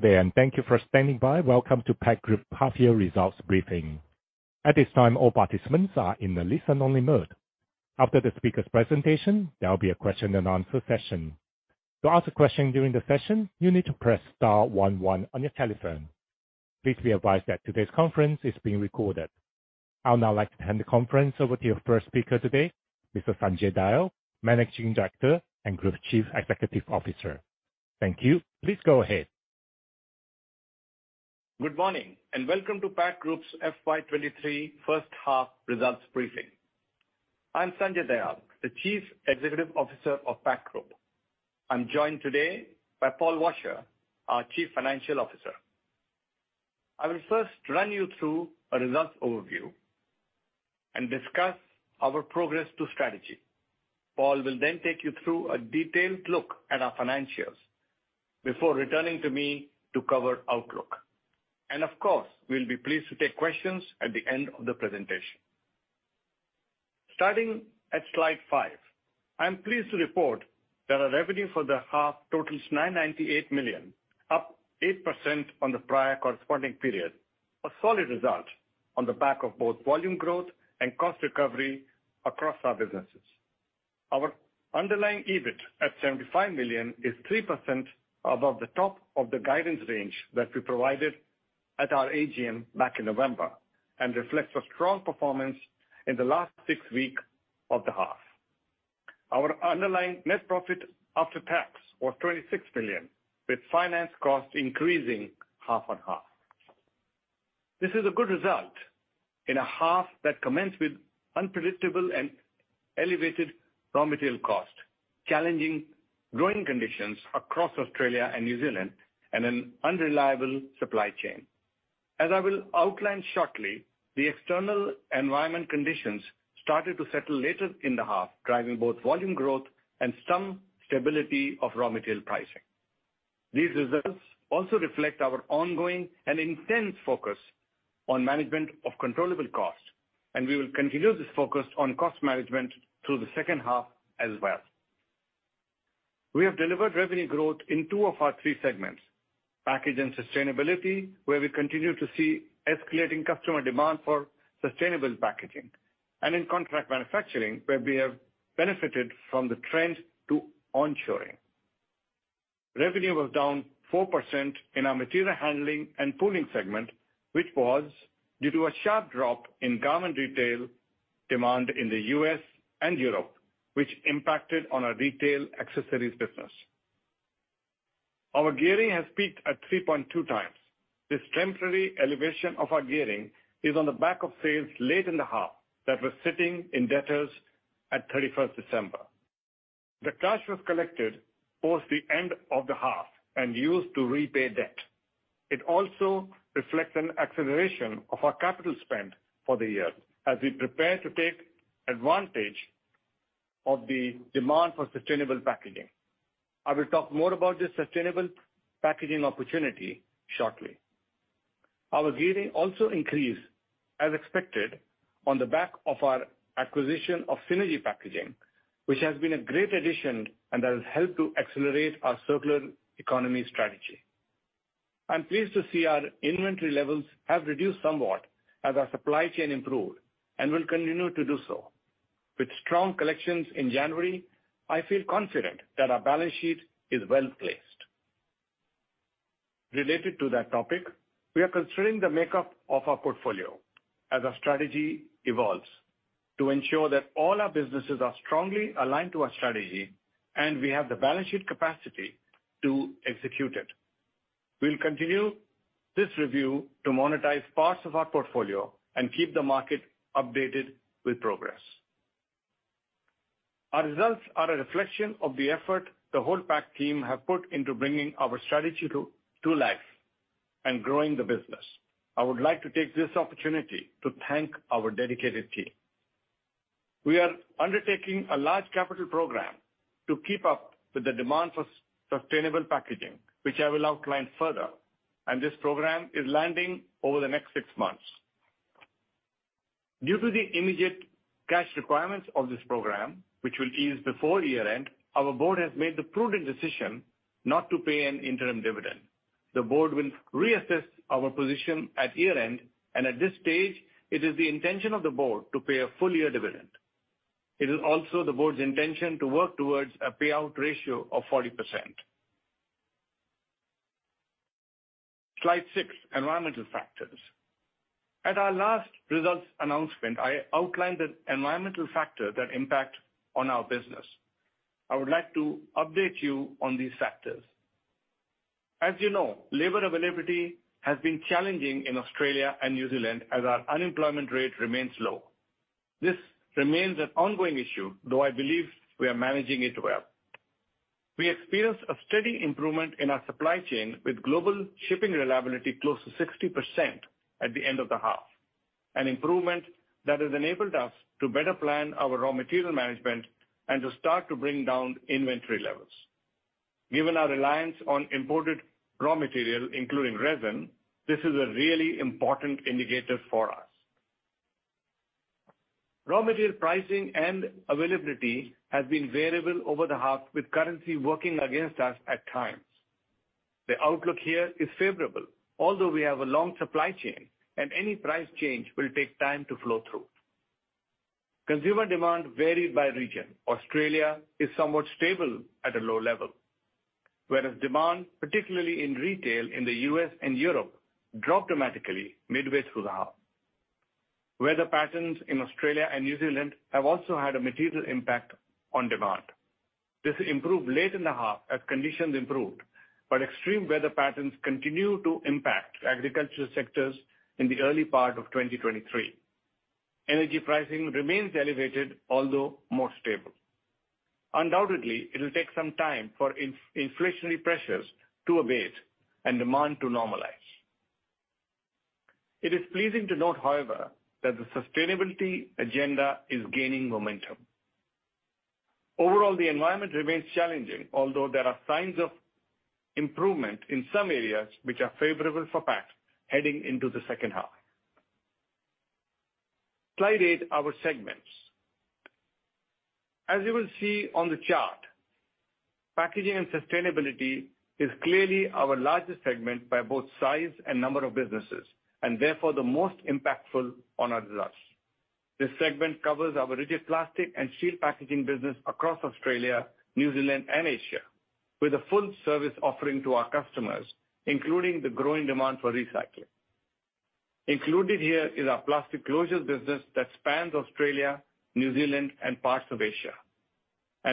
Good day, thank you for standing by. Welcome to Pact Group Half Year Results Briefing. At this time, all participants are in a listen-only mode. After the speaker's presentation, there'll be a question and answer session. To ask a question during the session, you need to press star 11 on your telephone. Please be advised that today's conference is being recorded. I'll now like to hand the conference over to your first speaker today, Mr. Sanjay Dayal, Managing Director and Group Chief Executive Officer. Thank you. Please go ahead. Good morning, welcome to Pact Group's FY23 1st half results briefing. I'm Sanjay Dayal, the Chief Executive Officer of Pact Group. I'm joined today by Paul Washer, our Chief Financial Officer. I will first run you through a results overview and discuss our progress to strategy. Paul will then take you through a detailed look at our financials before returning to me to cover outlook. Of course, we'll be pleased to take questions at the end of the presentation. Starting at slide 5. I am pleased to report that our revenue for the half totals 998 million, up 8% on the prior corresponding period. A solid result on the back of both volume growth and cost recovery across our businesses. Our underlying EBIT at 75 million is 3% above the top of the guidance range that we provided at our AGM back in November and reflects a strong performance in the last 6 week of the half. Our underlying net profit after tax was 26 million, with finance costs increasing half-on-half. This is a good result in a half that commenced with unpredictable and elevated raw material cost, challenging growing conditions across Australia and New Zealand, and an unreliable supply chain. As I will outline shortly, the external environment conditions started to settle later in the half, driving both volume growth and some stability of raw material pricing. These results also reflect our ongoing and intense focus on management of controllable costs, and we will continue this focus on cost management through the second half as well. We have delivered revenue growth in 2 of our 3 segments, Packaging and Sustainability, where we continue to see escalating customer demand for sustainable packaging, and in Contract Manufacturing, where we have benefited from the trend to onshoring. Revenue was down 4% in our Material Handling and Pooling segment, which was due to a sharp drop in garment retail demand in the U.S. and Europe, which impacted on our retail accessories business. Our gearing has peaked at 3.2x. This temporary elevation of our gearing is on the back of sales late in the half that was sitting in debtors at 31st December. The cash was collected towards the end of the half and used to repay debt. It also reflects an acceleration of our capital spend for the year as we prepare to take advantage of the demand for sustainable packaging. I will talk more about this sustainable packaging opportunity shortly. Our gearing also increased, as expected, on the back of our acquisition of Synergy Packaging, which has been a great addition and has helped to accelerate our circular economy strategy. I'm pleased to see our inventory levels have reduced somewhat as our supply chain improved and will continue to do so. With strong collections in January, I feel confident that our balance sheet is well-placed. Related to that topic, we are considering the makeup of our portfolio as our strategy evolves to ensure that all our businesses are strongly aligned to our strategy and we have the balance sheet capacity to execute it. We'll continue this review to monetize parts of our portfolio and keep the market updated with progress. Our results are a reflection of the effort the whole Pact team have put into bringing our strategy to life and growing the business. I would like to take this opportunity to thank our dedicated team. We are undertaking a large capital program to keep up with the demand for sustainable packaging, which I will outline further. This program is landing over the next six months. Due to the immediate cash requirements of this program, which will ease before year-end, our board has made the prudent decision not to pay an interim dividend. The board will reassess our position at year-end. At this stage, it is the intention of the board to pay a full-year dividend. It is also the board's intention to work towards a payout ratio of 40%. Slide 6, environmental factors. At our last results announcement, I outlined an environmental factor that impact on our business. I would like to update you on these factors. As you know, labor availability has been challenging in Australia and New Zealand as our unemployment rate remains low. This remains an ongoing issue, though I believe we are managing it well. We experienced a steady improvement in our supply chain with global shipping reliability close to 60% at the end of the half, an improvement that has enabled us to better plan our raw material management and to start to bring down inventory levels. Given our reliance on imported raw material, including resin, this is a really important indicator for us. Raw material pricing and availability has been variable over the half with currency working against us at times. The outlook here is favorable, although we have a long supply chain and any price change will take time to flow through. Consumer demand varied by region. Australia is somewhat stable at a low level, whereas demand, particularly in retail in the U.S. and Europe, dropped dramatically midway through the half. Weather patterns in Australia and New Zealand have also had a material impact on demand. This improved late in the half as conditions improved, but extreme weather patterns continue to impact agricultural sectors in the early part of 2023. Energy pricing remains elevated, although more stable. Undoubtedly, it'll take some time for inflationary pressures to abate and demand to normalize. It is pleasing to note, however, that the sustainability agenda is gaining momentum. Overall, the environment remains challenging, although there are signs of improvement in some areas which are favorable for Pact heading into the second half. Slide 8, our segments. As you will see on the chart, packaging and sustainability is clearly our largest segment by both size and number of businesses, and therefore the most impactful on our results. This segment covers our rigid plastic and steel packaging business across Australia, New Zealand, and Asia with a full service offering to our customers, including the growing demand for recycling. Included here is our plastic closures business that spans Australia, New Zealand, and parts of Asia.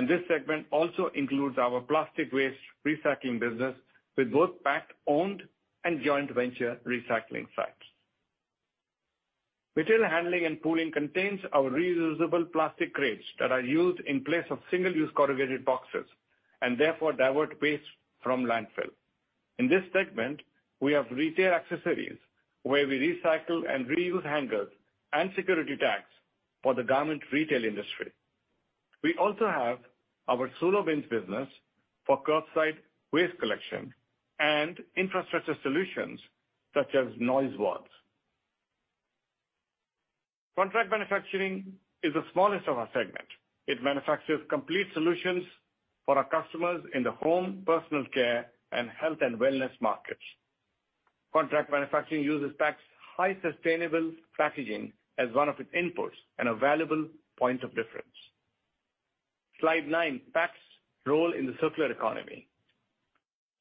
This segment also includes our plastic waste recycling business with both Pact-owned and joint venture recycling sites. Retail handling and pooling contains our reusable plastic crates that are used in place of single-use corrugated boxes, and therefore divert waste from landfill. In this segment, we have retail accessories where we recycle and reuse hangers and security tags for the garment retail industry. We also have our SULO bins business for curbside waste collection and infrastructure solutions such as noise walls. Contract manufacturing is the smallest of our segment. It manufactures complete solutions for our customers in the home, personal care, and health and wellness markets. Contract manufacturing uses Pact's high sustainable packaging as one of its inputs and a valuable point of difference. Slide 9, Pact's role in the circular economy.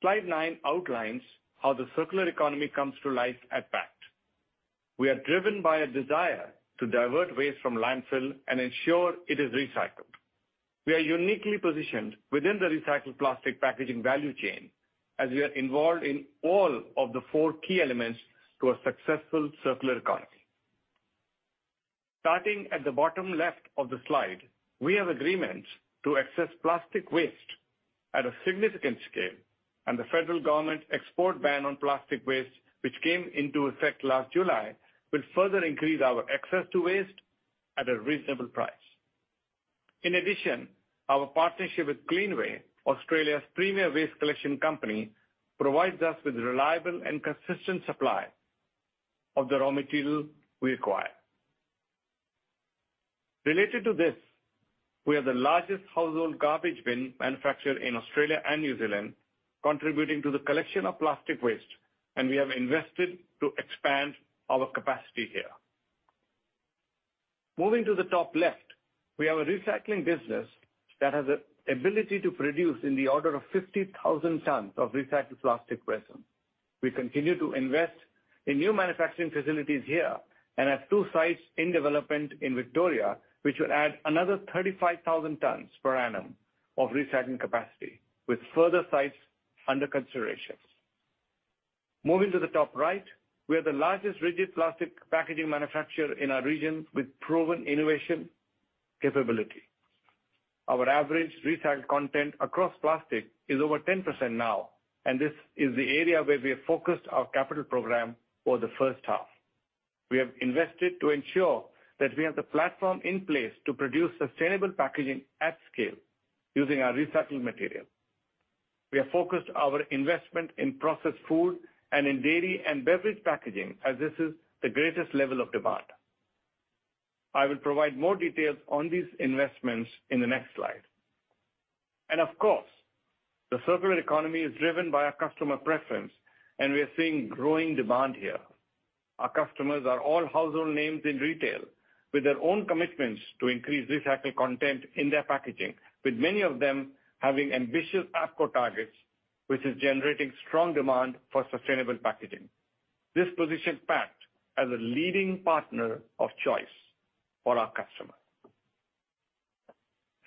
Slide 9 outlines how the circular economy comes to life at Pact. We are driven by a desire to divert waste from landfill and ensure it is recycled. We are uniquely positioned within the recycled plastic packaging value chain as we are involved in all of the four key elements to a successful circular economy. Starting at the bottom left of the slide, we have agreements to access plastic waste at a significant scale, and the federal government export ban on plastic waste, which came into effect last July, will further increase our access to waste at a reasonable price. In addition, our partnership with Cleanaway, Australia's premier waste collection company, provides us with reliable and consistent supply of the raw material we acquire. Related to this, we are the largest household garbage bin manufacturer in Australia and New Zealand, contributing to the collection of plastic waste, and we have invested to expand our capacity here. Moving to the top left, we have a recycling business that has the ability to produce in the order of 50,000 tons of recycled plastic resin. We continue to invest in new manufacturing facilities here. We have two sites in development in Victoria, which will add another 35,000 tons per annum of recycling capacity, with further sites under consideration. Moving to the top right, we are the largest rigid plastic packaging manufacturer in our region with proven innovation capability. Our average recycled content across plastic is over 10% now. This is the area where we have focused our capital program for the first half. We have invested to ensure that we have the platform in place to produce sustainable packaging at scale using our recycling material. We have focused our investment in processed food and in dairy and beverage packaging, as this is the greatest level of demand. I will provide more details on these investments in the next slide. Of course, the circular economy is driven by our customer preference, and we are seeing growing demand here. Our customers are all household names in retail with their own commitments to increase recycled content in their packaging, with many of them having ambitious APCO targets, which is generating strong demand for sustainable packaging. This positions Pact as a leading partner of choice for our customers.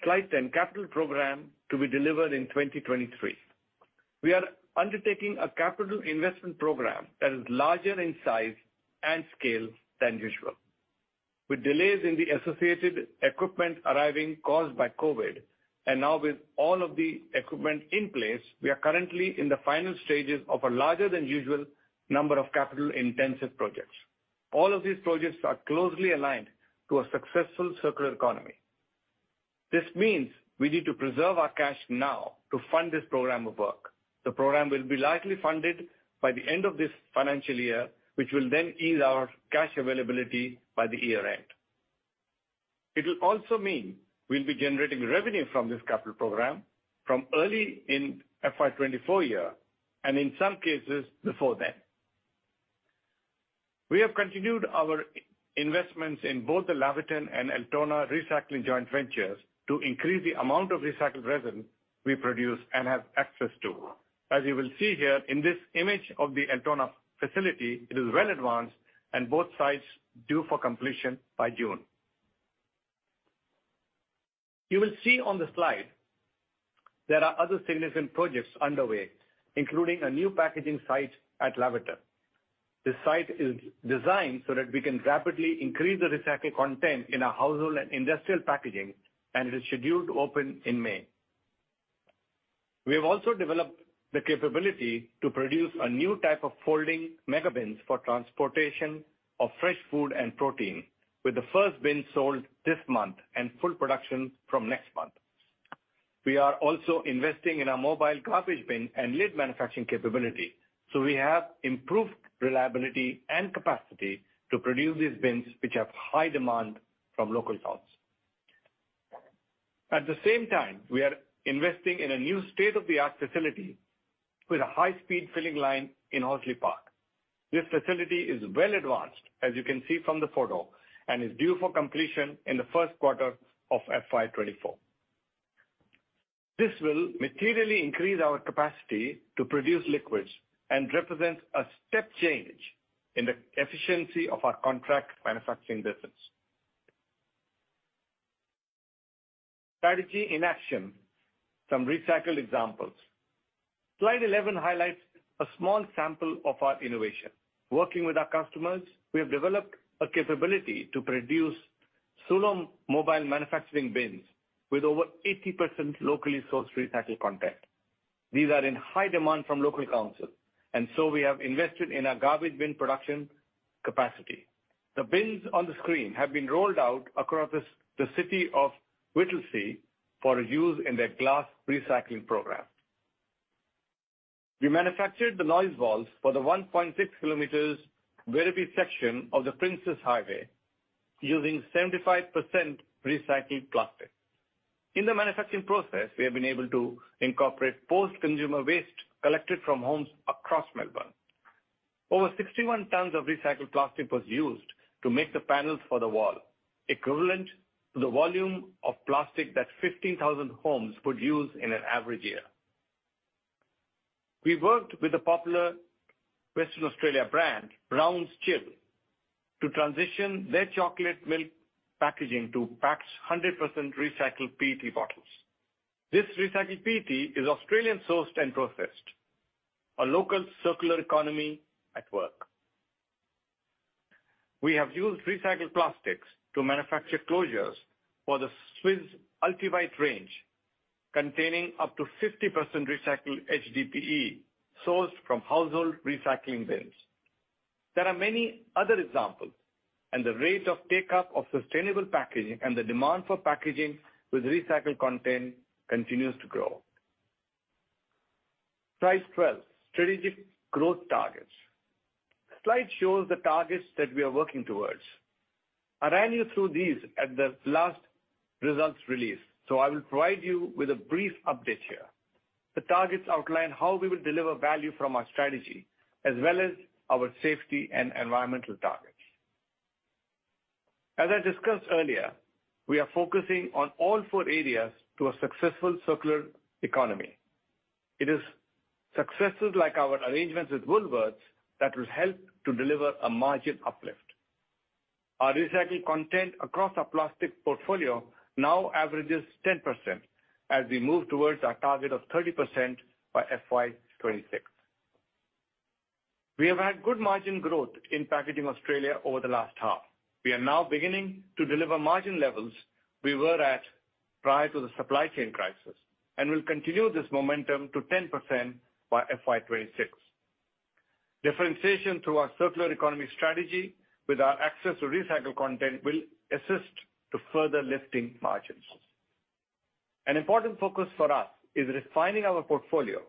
Slide 10, capital program to be delivered in 2023. We are undertaking a capital investment program that is larger in size and scale than usual. With delays in the associated equipment arriving caused by COVID and now with all of the equipment in place, we are currently in the final stages of a larger than usual number of capital-intensive projects. All of these projects are closely aligned to a successful circular economy. This means we need to preserve our cash now to fund this program of work. The program will be likely funded by the end of this financial year, which will ease our cash availability by the year-end. It will also mean we'll be generating revenue from this capital program from early in FY 2024 year, and in some cases, before then. We have continued our investments in both the Laverton and Altona recycling joint ventures to increase the amount of recycled resin we produce and have access to. As you will see here in this image of the Altona facility, it is well advanced and both sites due for completion by June. You will see on the slide there are other significant projects underway, including a new packaging site at Laverton. This site is designed so that we can rapidly increase the recycled content in our household and industrial packaging. It is scheduled to open in May. We have also developed the capability to produce a new type of folding mega bins for transportation of fresh food and protein, with the first bin sold this month and full production from next month. We are also investing in a mobile garbage bin and lid manufacturing capability. We have improved reliability and capacity to produce these bins, which have high demand from local stores. At the same time, we are investing in a new state-of-the-art facility with a high-speed filling line in Horsley Park. This facility is well advanced, as you can see from the photo. It is due for completion in the first quarter of FY 2024. This will materially increase our capacity to produce liquids and represents a step change in the efficiency of our contract manufacturing business. Strategy in action, some recycled examples. Slide 11 highlights a small sample of our innovation. Working with our customers, we have developed a capability to produce SULO mobile manufacturing bins with over 80% locally sourced recycled content. These are in high demand from local council, and so we have invested in our garbage bin production capacity. The bins on the screen have been rolled out across the city of Whittlesea for use in their glass recycling program. We manufactured the noise walls for the 1.6 km Werribee section of the Princes Highway using 75% recycled plastic. In the manufacturing process, we have been able to incorporate post-consumer waste collected from homes across Melbourne. Over 61 tons of recycled plastic was used to make the panels for the wall, equivalent to the volume of plastic that 15,000 homes produce in an average year. We worked with a popular Western Australia brand, Brownes CHILL, to transition their chocolate milk packaging to packs 100% recycled PET bottles. This recycled PET is Australian sourced and processed, a local circular economy at work. We have used recycled plastics to manufacture closures for the Suisse Ultibite range, containing up to 50% recycled HDPE sourced from household recycling bins. There are many other examples, and the rate of take-up of sustainable packaging and the demand for packaging with recycled content continues to grow. Slide 12, strategic growth targets. The slide shows the targets that we are working towards. I ran you through these at the last results release. I will provide you with a brief update here. The targets outline how we will deliver value from our strategy as well as our safety and environmental targets. As I discussed earlier, we are focusing on all four areas to a successful circular economy. It is successes like our arrangements with Woolworths that will help to deliver a margin uplift. Our recycled content across our plastic portfolio now averages 10% as we move towards our target of 30% by FY26. We have had good margin growth in Packaging Australia over the last half. We are now beginning to deliver margin levels we were at prior to the supply chain crisis and will continue this momentum to 10% by FY26. Differentiation through our circular economy strategy with our access to recycled content will assist to further lifting margins. An important focus for us is refining our portfolio,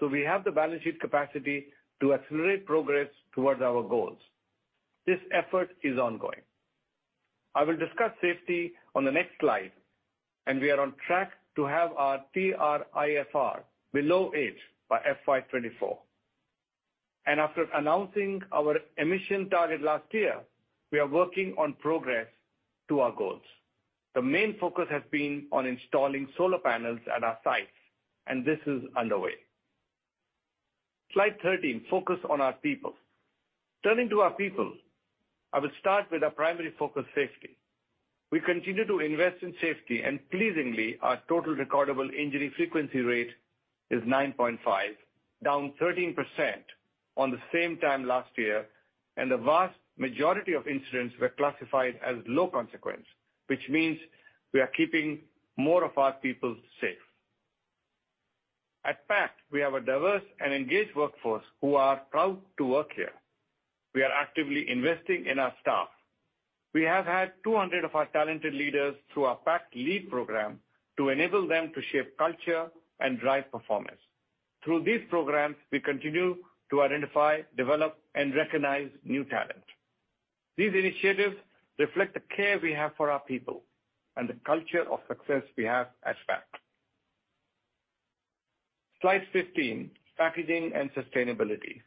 so we have the balance sheet capacity to accelerate progress towards our goals. This effort is ongoing. I will discuss safety on the next slide. We are on track to have our TRIFR below 8 by FY 2024. After announcing our emission target last year, we are working on progress to our goals. The main focus has been on installing solar panels at our sites. This is underway. Slide 13, focus on our people. Turning to our people, I will start with our primary focus, safety. We continue to invest in safety. Pleasingly, our total recordable injury frequency rate is 9.5, down 13% on the same time last year. The vast majority of incidents were classified as low consequence, which means we are keeping more of our people safe. We have a diverse and engaged workforce who are proud to work here. We are actively investing in our staff. We have had 200 of our talented leaders through our PACT Lead program to enable them to shape culture and drive performance. Through these programs, we continue to identify, develop, and recognize new talent. These initiatives reflect the care we have for our people and the culture of success we have at Pact. Slide 15, packaging and sustainability.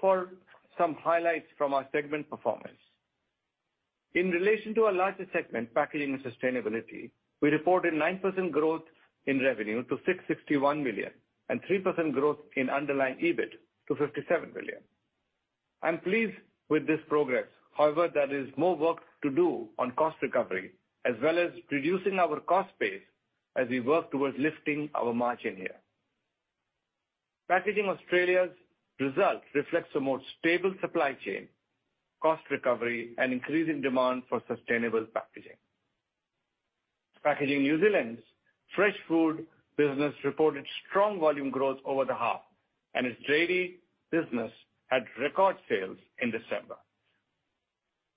For some highlights from our segment performance. In relation to our largest segment, packaging and sustainability, we reported 9% growth in revenue to 661 million and 3% growth in underlying EBIT to 57 million. I'm pleased with this progress. There is more work to do on cost recovery, as well as reducing our cost base as we work towards lifting our margin here. Packaging Australia's result reflects a more stable supply chain, cost recovery, and increasing demand for sustainable packaging. Packaging New Zealand's fresh food business reported strong volume growth over the half, and its dairy business had record sales in December.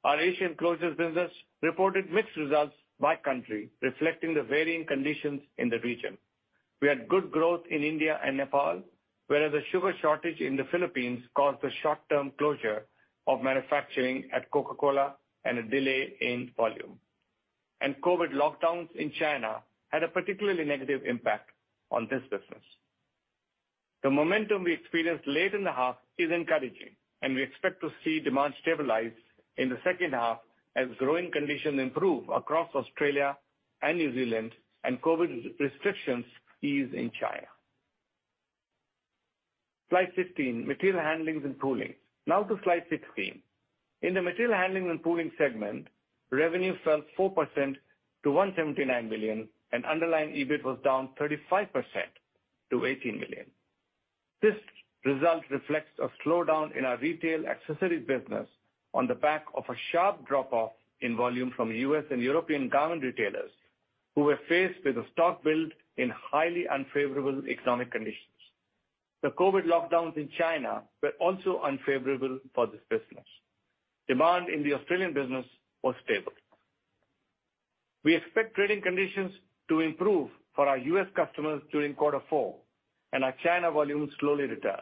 Our Asian closures business reported mixed results by country, reflecting the varying conditions in the region. We had good growth in India and Nepal, whereas a sugar shortage in the Philippines caused a short-term closure of manufacturing at Coca-Cola and a delay in volume. COVID lockdowns in China had a particularly negative impact on this business. The momentum we experienced late in the half is encouraging, and we expect to see demand stabilize in the second half as growing conditions improve across Australia and New Zealand and COVID restrictions ease in China. Slide 15, material handling and pooling. Now to slide 16. In the material handling and pooling segment, revenue fell 4% to 179 million, and underlying EBIT was down 35% to 18 million. This result reflects a slowdown in our retail accessories business on the back of a sharp drop-off in volume from U.S. and European garment retailers who were faced with a stock build in highly unfavorable economic conditions. The COVID lockdowns in China were also unfavorable for this business. Demand in the Australian business was stable. We expect trading conditions to improve for our U.S. customers during quarter four and our China volumes slowly return.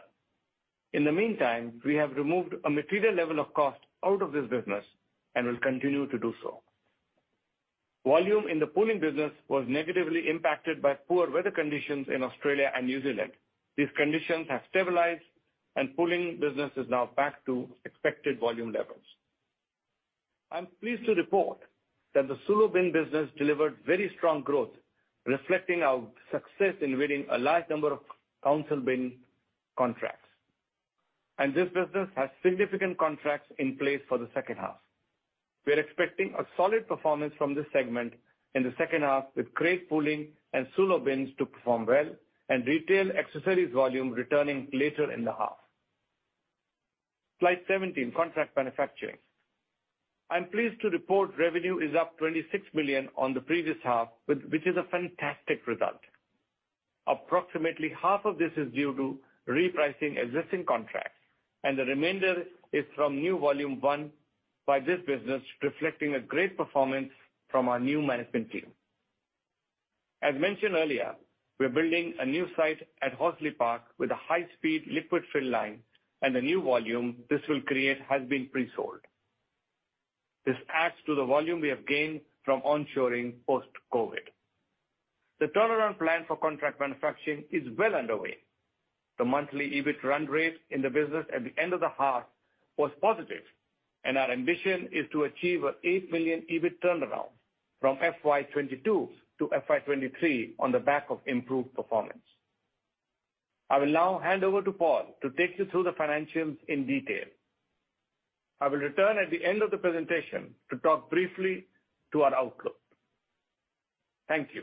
In the meantime, we have removed a material level of cost out of this business and will continue to do so. Volume in the pooling business was negatively impacted by poor weather conditions in Australia and New Zealand. These conditions have stabilized, and pooling business is now back to expected volume levels. I'm pleased to report that the SULO bin business delivered very strong growth, reflecting our success in winning a large number of council bin contracts. This business has significant contracts in place for the second half. We're expecting a solid performance from this segment in the second half, with crate pooling and SULO bins to perform well and retail accessories volume returning later in the half. Slide 17, contract manufacturing. I'm pleased to report revenue is up 26 million on the previous half, which is a fantastic result. Approximately half of this is due to repricing existing contracts, and the remainder is from new volume won by this business, reflecting a great performance from our new management team. As mentioned earlier, we're building a new site at Horsley Park with a high-speed liquid fill line and the new volume this will create has been pre-sold. This adds to the volume we have gained from onshoring post-COVID. The turnaround plan for contract manufacturing is well underway. The monthly EBIT run rate in the business at the end of the half was positive, and our ambition is to achieve an 8 million EBIT turnaround from FY 2022 to FY 2023 on the back of improved performance. I will now hand over to Paul to take you through the financials in detail. I will return at the end of the presentation to talk briefly to our outlook. Thank you.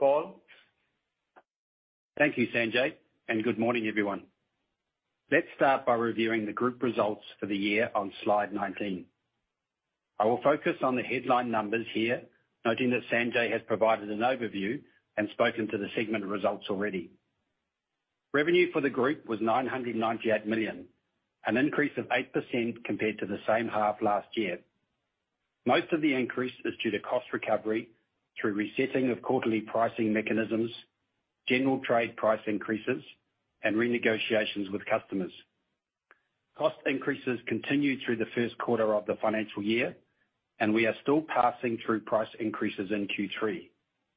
Paul? Thank you, Sanjay, and good morning, everyone. Let's start by reviewing the group results for the year on slide 19. I will focus on the headline numbers here, noting that Sanjay has provided an overview and spoken to the segment results already. Revenue for the group was 998 million, an increase of 8% compared to the same half last year. Most of the increase is due to cost recovery through resetting of quarterly pricing mechanisms, general trade price increases, and renegotiations with customers. Cost increases continued through the 1st quarter of the financial year, and we are still passing through price increases in Q3,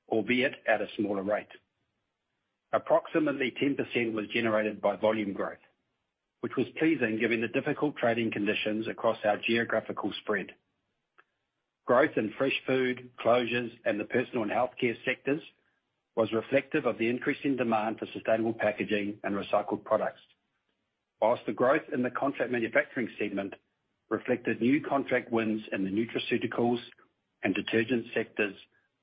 albeit at a smaller rate. Approximately 10% was generated by volume growth, which was pleasing given the difficult trading conditions across our geographical spread. Growth in fresh food, closures, and the personal and healthcare sectors was reflective of the increasing demand for sustainable packaging and recycled products. Whilst the growth in the contract manufacturing segment reflected new contract wins in the nutraceuticals and detergent sectors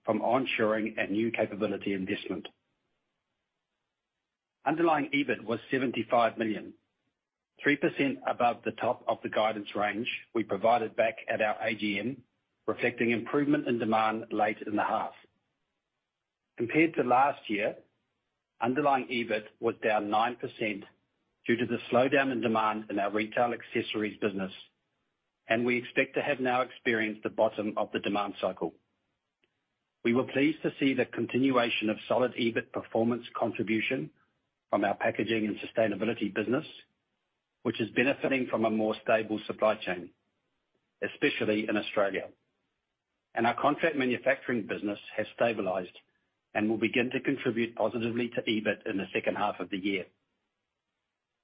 from onshoring and new capability investment. Underlying EBIT was 75 million. 3% above the top of the guidance range we provided back at our AGM, reflecting improvement in demand late in the half. Compared to last year, underlying EBIT was down 9% due to the slowdown in demand in our retail accessories business, and we expect to have now experienced the bottom of the demand cycle. We were pleased to see the continuation of solid EBIT performance contribution from our packaging and sustainability business, which is benefiting from a more stable supply chain, especially in Australia. Our contract manufacturing business has stabilized and will begin to contribute positively to EBIT in the second half of the year.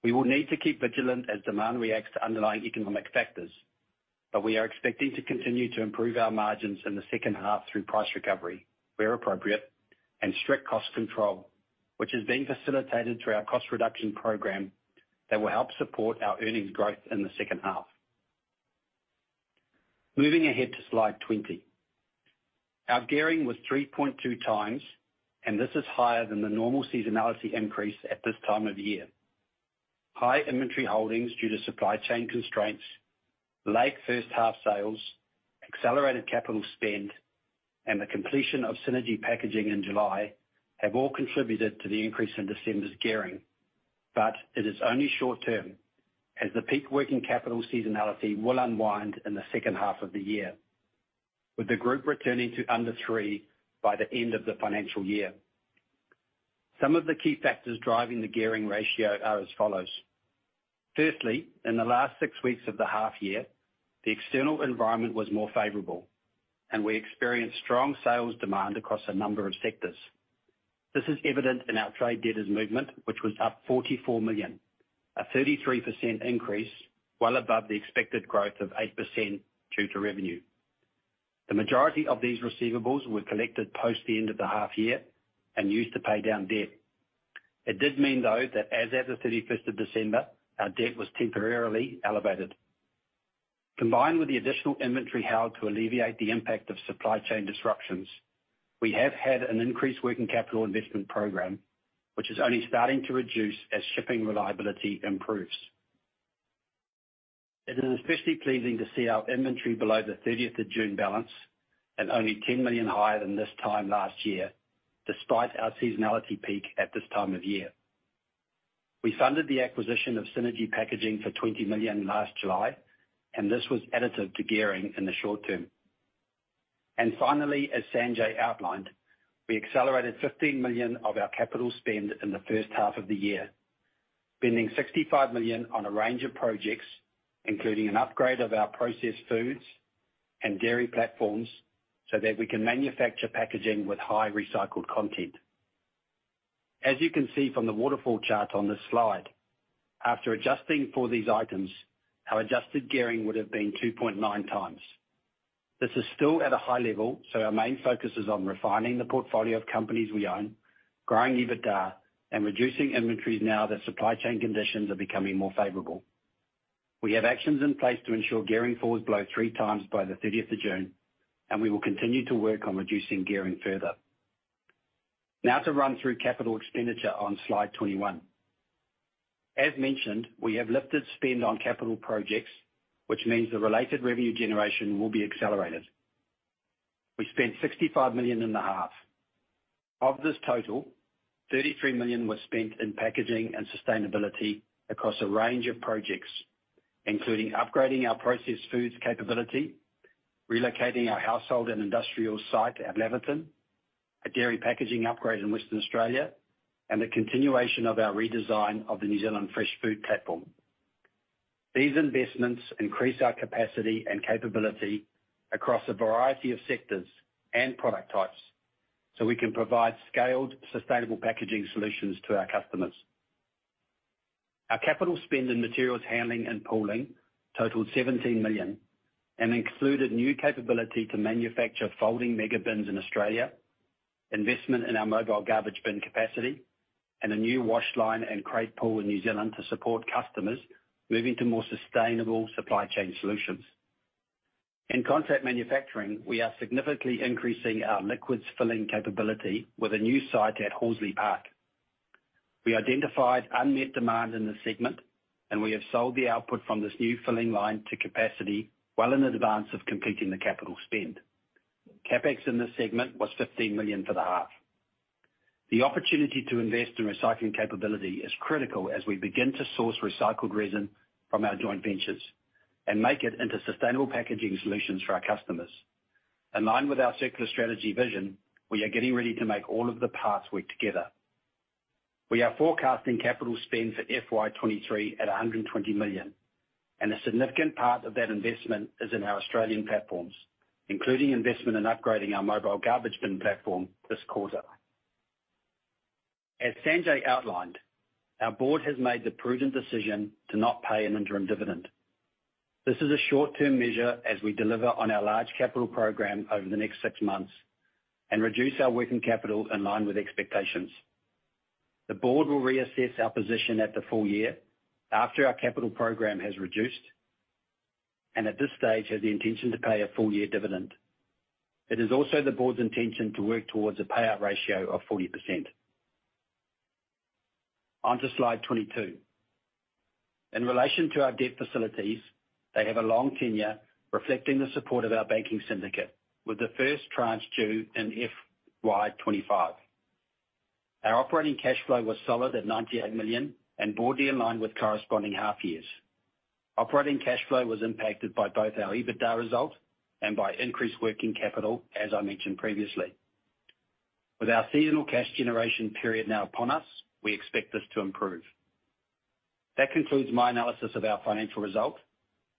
We will need to keep vigilant as demand reacts to underlying economic factors, but we are expecting to continue to improve our margins in the second half through price recovery where appropriate, and strict cost control, which is being facilitated through our cost reduction program that will help support our earnings growth in the second half. Moving ahead to slide 20. Our gearing was 3.2 times. This is higher than the normal seasonality increase at this time of year. High inventory holdings due to supply chain constraints, late first half sales, accelerated CapEx, and the completion of Synergy Packaging in July have all contributed to the increase in December's gearing. It is only short-term, as the peak working capital seasonality will unwind in the second half of the year, with the group returning to under 3 by the end of the financial year. Some of the key factors driving the gearing ratio are as follows. Firstly, in the last 6 weeks of the half year, the external environment was more favorable and we experienced strong sales demand across a number of sectors. This is evident in our trade debtors movement, which was up 44 million, a 33% increase, well above the expected growth of 8% due to revenue. The majority of these receivables were collected post the end of the half year and used to pay down debt. It did mean, though, that as at the 31st of December, our debt was temporarily elevated. Combined with the additional inventory held to alleviate the impact of supply chain disruptions, we have had an increased working capital investment program, which is only starting to reduce as shipping reliability improves. It is especially pleasing to see our inventory below the 30th of June balance and only 10 million higher than this time last year, despite our seasonality peak at this time of year. We funded the acquisition of Synergy Packaging for 20 million last July, and this was additive to gearing in the short term. Finally, as Sanjay outlined, we accelerated 15 million of our capital spend in the first half of the year, spending 65 million on a range of projects, including an upgrade of the processed foods and dairy platforms, so that we can manufacture packaging with high recycled content. As you can see from the waterfall chart on this slide, after adjusting for these items, our adjusted gearing would have been 2.9 times. This is still at a high level. Our main focus is on refining the portfolio of companies we own, growing EBITDA, and reducing inventories now that supply chain conditions are becoming more favorable. We have actions in place to ensure gearing falls below 3 times by the 30th of June. We will continue to work on reducing gearing further. Now to run through capital expenditure on slide 21. As mentioned, we have lifted spend on capital projects, which means the related revenue generation will be accelerated. We spent 65 million in the half. Of this total, 33 million was spent in packaging and sustainability across a range of projects, including upgrading our processed foods capability, relocating our household and industrial site at Laverton, a dairy packaging upgrade in Western Australia, and the continuation of our redesign of the New Zealand fresh food platform. These investments increase our capacity and capability across a variety of sectors and product types so we can provide scaled, sustainable packaging solutions to our customers. Our capital spend in materials handling and pooling totaled 17 million and included new capability to manufacture folding mega bins in Australia, investment in our mobile garbage bin capacity, and a new wash line and crate pool in New Zealand to support customers moving to more sustainable supply chain solutions. In contract manufacturing, we are significantly increasing our liquids filling capability with a new site at Horsley Park. We identified unmet demand in this segment and we have sold the output from this new filling line to capacity well in advance of completing the capital spend. CapEx in this segment was AUD 15 million for the half. The opportunity to invest in recycling capability is critical as we begin to source recycled resin from our joint ventures and make it into sustainable packaging solutions for our customers. In line with our circular strategy vision, we are getting ready to make all of the parts work together. We are forecasting capital spend for FY 2023 at 120 million, and a significant part of that investment is in our Australian platforms, including investment in upgrading our mobile garbage bin platform this quarter. As Sanjay outlined, our board has made the prudent decision to not pay an interim dividend. This is a short-term measure as we deliver on our large capital program over the next six months and reduce our working capital in line with expectations. The board will reassess our position at the full year after our capital program has reduced. At this stage, have the intention to pay a full year dividend. It is also the board's intention to work towards a payout ratio of 40%. On to slide 22. In relation to our debt facilities, they have a long tenure reflecting the support of our banking syndicate, with the first tranche due in FY25. Our operating cash flow was solid at 98 million and broadly in line with corresponding half years. Operating cash flow was impacted by both our EBITDA result and by increased working capital, as I mentioned previously. With our seasonal cash generation period now upon us, we expect this to improve. That concludes my analysis of our financial results.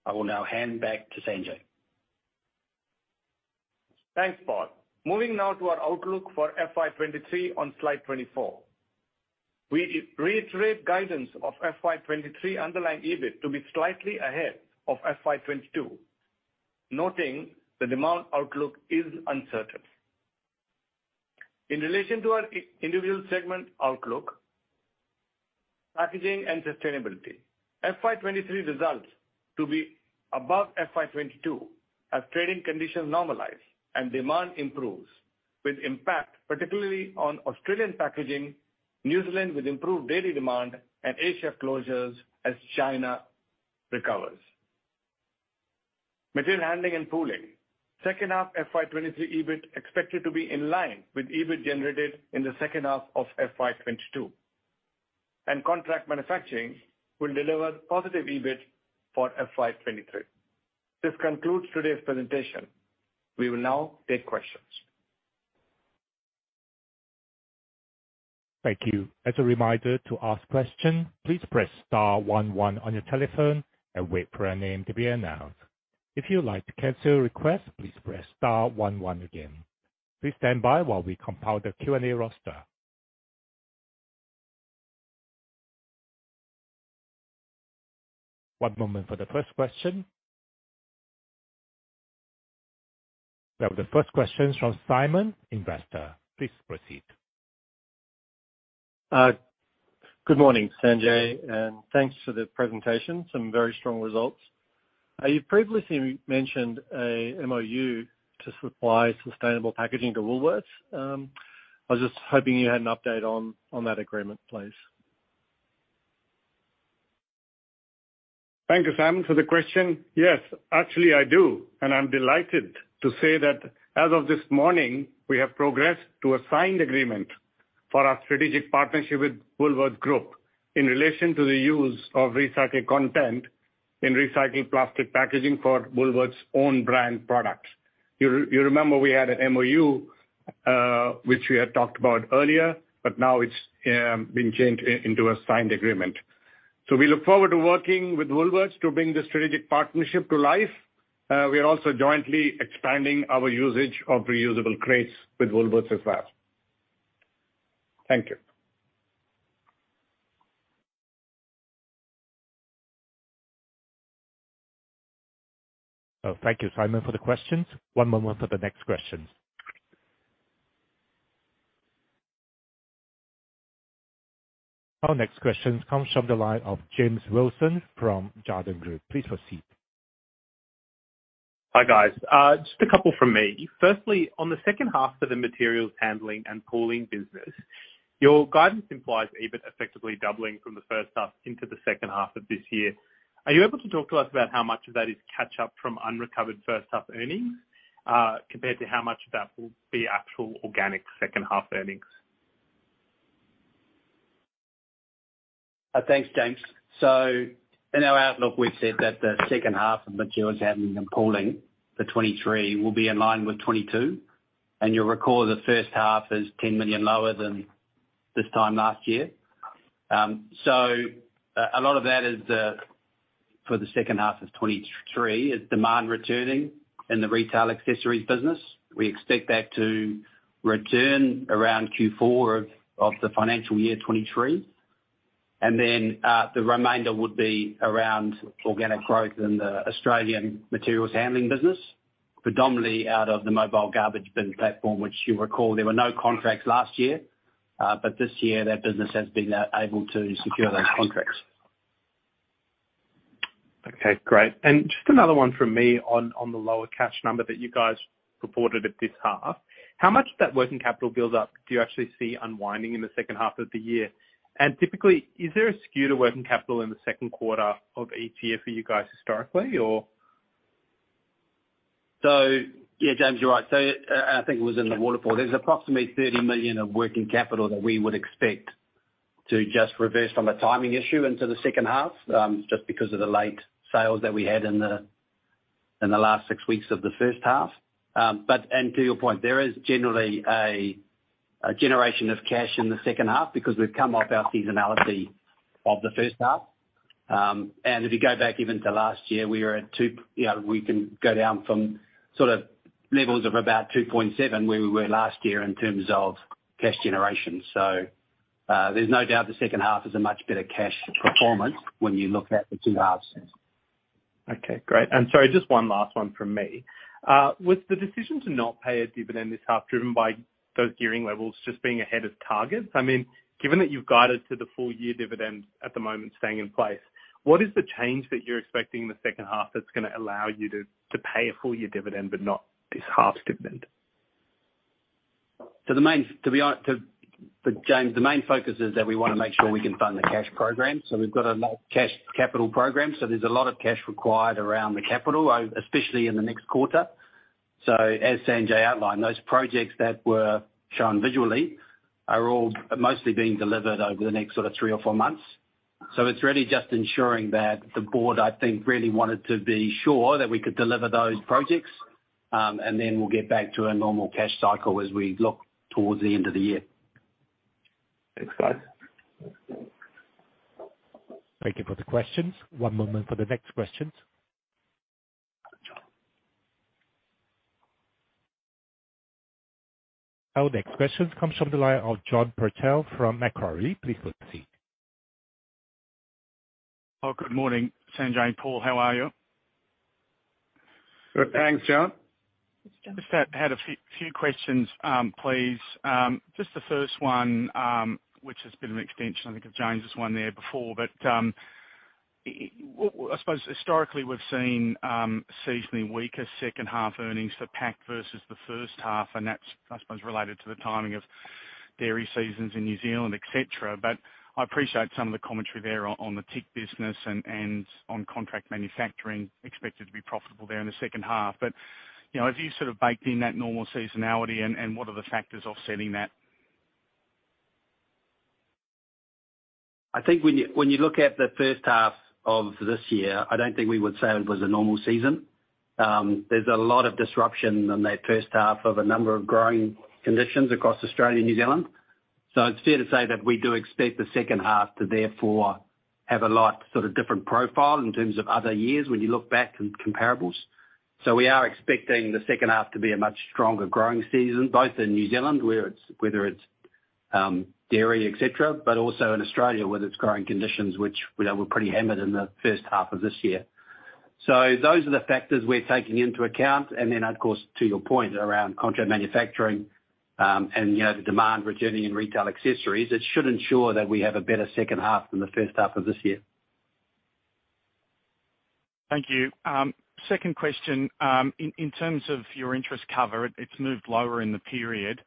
I will now hand back to Sanjay. Thanks, Paul. Moving now to our outlook for FY 2023 on slide 24. We reiterate guidance of FY 2023 underlying EBIT to be slightly ahead of FY 2022, noting the demand outlook is uncertain. In relation to our individual segment outlook, packaging and sustainability. FY 2023 results to be above FY 2022 as trading conditions normalize and demand improves, with Pact particularly on Australian packaging, New Zealand with improved daily demand and Asia closures as China recovers. Material handling and pooling. Second half FY 2023 EBIT expected to be in line with EBIT generated in the second half of FY 2022. Contract manufacturing will deliver positive EBIT for FY 2023. This concludes today's presentation. We will now take questions. Thank you. As a reminder to ask question, please press star one one on your telephone and wait for a name to be announced. If you'd like to cancel a request, please press star one one again. Please stand by while we compile the Q&A roster. One moment for the first question. We have the first question from Simon, investor. Please proceed. Good morning, Sanjay. Thanks for the presentation. Some very strong results. You previously mentioned a MOU to supply sustainable packaging to Woolworths. I was just hoping you had an update on that agreement, please. Thank you, Simon, for the question. Yes, actually, I do. I'm delighted to say that as of this morning, we have progressed to a signed agreement for our strategic partnership with Woolworths Group in relation to the use of recycled content in recycled plastic packaging for Woolworths own brand products. You remember we had an MOU, which we had talked about earlier, but now it's been changed into a signed agreement. We look forward to working with Woolworths to bring this strategic partnership to life. We are also jointly expanding our usage of reusable crates with Woolworths as well. Thank you. Oh, thank you, Simon, for the questions. One moment for the next questions. Our next questions comes from the line of James Wilson from Jarden Group. Please proceed. Hi, guys. Just a couple from me. Firstly, on the second half for the materials handling and pooling business, your guidance implies EBIT effectively doubling from the first half into the second half of this year. Are you able to talk to us about how much of that is catch up from unrecovered first half earnings, compared to how much of that will be actual organic second half earnings? Thanks, James. In our outlook, we've said that the second half of materials handling and pooling for 2023 will be in line with 2022. You'll recall the first half is 10 million lower than this time last year. So a lot of that is for the second half of 2023 is demand returning in the retail accessories business. We expect that to return around Q4 of the financial year 2023. Then the remainder would be around organic growth in the Australian materials handling business, predominantly out of the mobile garbage bin platform, which you'll recall there were no contracts last year. But this year, that business has been able to secure those contracts. Okay, great. Just another one from me on the lower cash number that you guys reported at this half. How much of that working capital build up do you actually see unwinding in the second half of the year? Typically, is there a skew to working capital in the second quarter of each year for you guys historically or? Yeah, James, you're right. I think it was in the waterfall. There's approximately 30 million of working capital that we would expect to just reverse from a timing issue into the second half, just because of the late sales that we had in the last six weeks of the first half. To your point, there is generally a generation of cash in the second half because we've come off our seasonality of the first half. If you go back even to last year, we were at. You know, we can go down from sort of levels of about 2.7 where we were last year in terms of cash generation. There's no doubt the second half is a much better cash performance when you look at the two halves. Okay, great. Sorry, just one last one from me. Was the decision to not pay a dividend this half driven by those gearing levels just being ahead of targets? I mean, given that you've guided to the full year dividend at the moment staying in place, what is the change that you're expecting in the second half that's gonna allow you to pay a full year dividend, but not this half's dividend? The main focus is that we wanna make sure we can fund the cash program. We've got a lot cash capital program, so there's a lot of cash required around the capital, especially in the next quarter. As Sanjay outlined, those projects that were shown visually are all mostly being delivered over the next sort of 3 or 4 months. It's really just ensuring that the board, I think, really wanted to be sure that we could deliver those projects, and then we'll get back to a normal cash cycle as we look towards the end of the year. Thanks, guys. Thank you for the questions. One moment for the next questions. Our next question comes from the line of John Patel from Macquarie. Please proceed. Good morning, Sanjay and Paul. How are you? Good, thanks, John. Just had a few questions, please. Just the first one, which has been an extension, I think of James's one there before, I suppose historically we've seen, seasonally weaker second half earnings for Pact versus the first half, and that's, I suppose, related to the timing of dairy seasons in New Zealand, et cetera. I appreciate some of the commentary there on the TIC business and on contract manufacturing expected to be profitable there in the second half. You know, have you sort of baked in that normal seasonality and what are the factors offsetting that? I think when you, when you look at the first half of this year, I don't think we would say it was a normal season. There's a lot of disruption in that first half of a number of growing conditions across Australia and New Zealand. It's fair to say that we do expect the second half to therefore have a lot sort of different profile in terms of other years when you look back at comparables. We are expecting the second half to be a much stronger growing season, both in New Zealand, whether it's dairy, et cetera, but also in Australia, whether it's growing conditions, which we know were pretty hammered in the first half of this year. Those are the factors we're taking into account. Of course, to your point around contract manufacturing, and, you know, the demand returning in retail accessories, it should ensure that we have a better second half than the first half of this year. Thank you. Second question. In terms of your interest cover, it's moved lower in the period.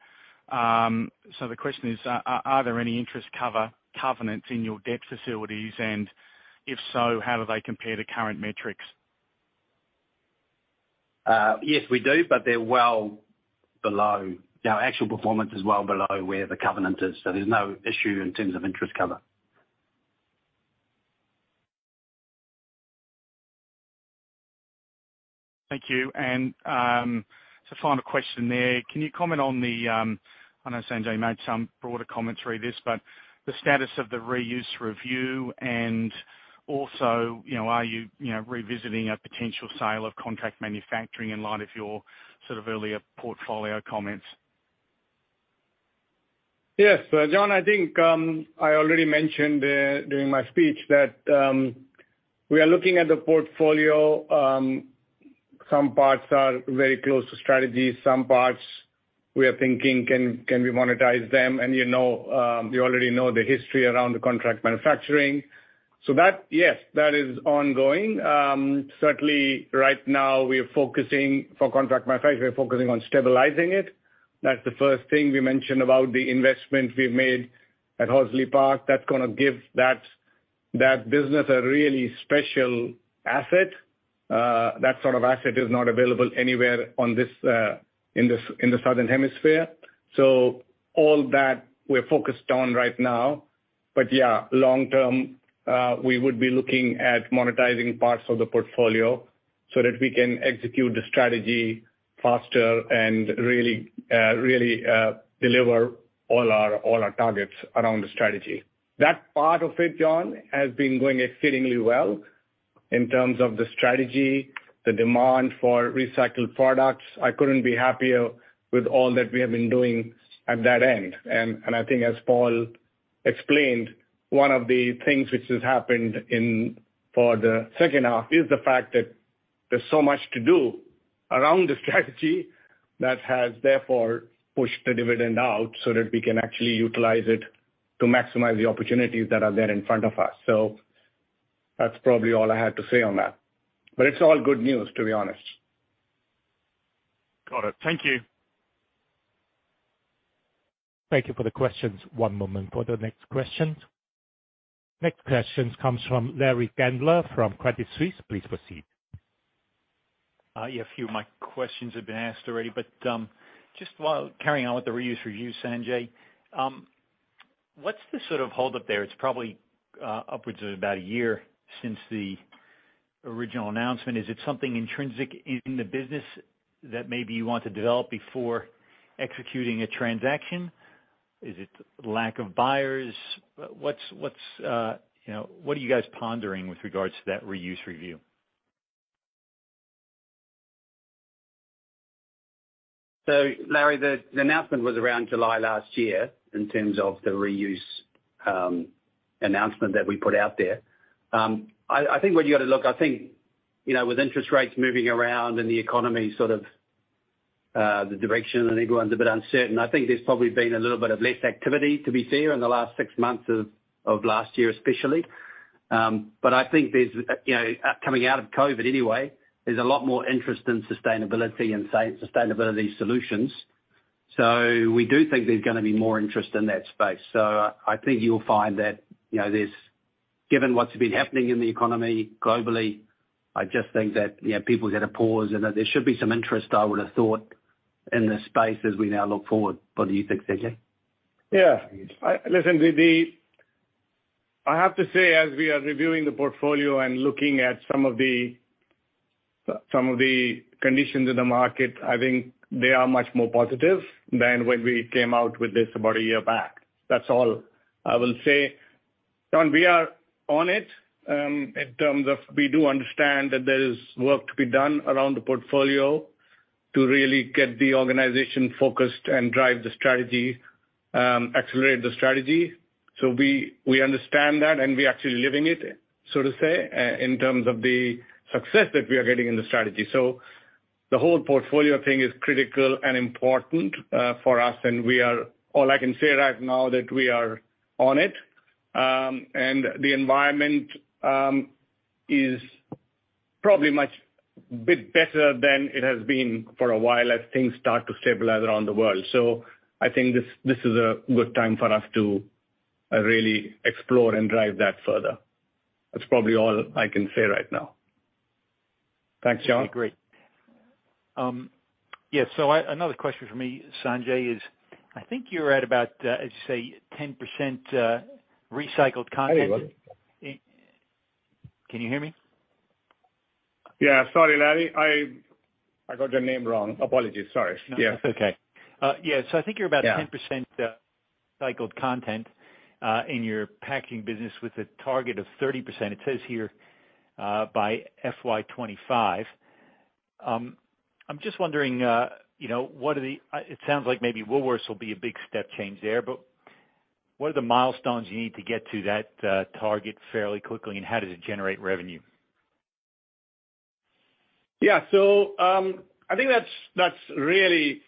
The question is, are there any interest cover covenants in your debt facilities? If so, how do they compare to current metrics? Yes, we do. Our actual performance is well below where the covenant is. There's no issue in terms of interest cover. Thank you. Final question there. Can you comment on the, I know Sanjay made some broader commentary this, but the status of the reuse review and also, you know, are you know, revisiting a potential sale of contract manufacturing in light of your sort of earlier portfolio comments? Yes, John, I think I already mentioned during my speech that we are looking at the portfolio. Some parts are very close to strategy. Some parts we are thinking can we monetize them? You know, you already know the history around the contract manufacturing. Yes, that is ongoing. Certainly right now we are focusing for contract manufacture, we're focusing on stabilizing it. That's the first thing we mentioned about the investment we've made at Horsley Park. That's gonna give that business a really special asset. That sort of asset is not available anywhere on this in the Southern Hemisphere. All that we're focused on right now. Yeah, long term, we would be looking at monetizing parts of the portfolio so that we can execute the strategy faster and really deliver all our targets around the strategy. That part of it, John, has been going exceedingly well in terms of the strategy, the demand for recycled products. I couldn't be happier with all that we have been doing at that end. And I think as Paul explained, one of the things which has happened for the second half is the fact that there's so much to do around the strategy that has therefore pushed the dividend out so that we can actually utilize it to maximize the opportunities that are there in front of us. That's probably all I have to say on that. It's all good news, to be honest. Got it. Thank you. Thank you for the questions. One moment for the next questions. Next questions comes from Larry Gandler from Credit Suisse. Please proceed. Yeah, a few of my questions have been asked already, but just while carrying on with the reuse review, Sanjay, what's the sort of hold up there? It's probably upwards of about 1 year since the original announcement. Is it something intrinsic in the business that maybe you want to develop before executing a transaction? Is it lack of buyers? What's, you know, what are you guys pondering with regards to that reuse review? Larry, the announcement was around July last year in terms of the reuse announcement that we put out there. I think where you gotta look, I think, you know, with interest rates moving around and the economy sort of the direction and everyone's a bit uncertain, I think there's probably been a little bit of less activity, to be fair, in the last six months of last year, especially. I think there's, you know, coming out of COVID anyway, there's a lot more interest in sustainability and sustainability solutions. We do think there's gonna be more interest in that space. I think you'll find that, you know, there's Given what's been happening in the economy globally, I just think that, you know, people hit a pause and that there should be some interest, I would've thought, in this space as we now look forward. What do you think, Sanjay? Yeah. Listen, I have to say, as we are reviewing the portfolio and looking at some of the conditions in the market, I think they are much more positive than when we came out with this about a year back. That's all I will say. John, we are on it, in terms of we do understand that there is work to be done around the portfolio to really get the organization focused and drive the strategy, accelerate the strategy. We understand that and we're actually living it, so to say, in terms of the success that we are getting in the strategy. The whole portfolio thing is critical and important for us, and All I can say right now that we are on it. The environment is probably much bit better than it has been for a while as things start to stabilize around the world. I think this is a good time for us to really explore and drive that further. That's probably all I can say right now. Thanks, John. Okay, great. Yeah, another question from me, Sanjay, is, I think you're at about, I'd say 10% recycled content, Hey, Larry. Can you hear me? Yeah. Sorry, Larry. I got your name wrong. Apologies. Sorry. Yeah. No, that's okay. Yeah. I think you're. Yeah. 10% recycled content in your packaging business with a target of 30%, it says here, by FY 2025. I'm just wondering, you know, it sounds like maybe Woolworths will be a big step change there, what are the milestones you need to get to that target fairly quickly, and how does it generate revenue? Yeah. I think that's really